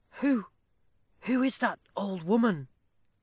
"Who who is that old woman?"